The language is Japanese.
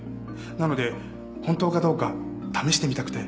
なので本当かどうか試してみたくて。